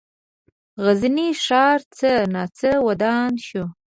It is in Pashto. غزني ښار څه ناڅه ودان شو.